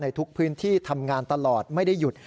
ทุกพื้นที่ทำงานตลอดไม่ได้หยุด